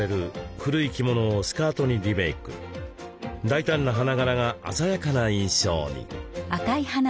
大胆な花柄が鮮やかな印象に。